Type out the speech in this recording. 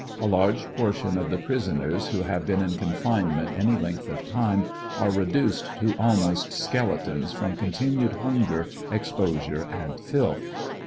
A large portion of the prisoners who have been in confinement any length of time are reduced to almost skeletons froTi continued hunger, exposure and filth.